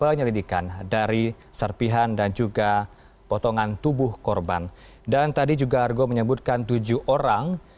penyelidikan dari serpihan dan juga potongan tubuh korban dan tadi juga argo menyebutkan tujuh orang